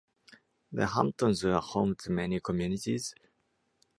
The Hamptons are home to many communities.